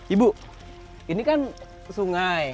ibu ini kan sungai